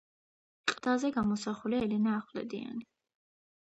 ყდაზე გამოსახულია ელენე ახვლედიანი.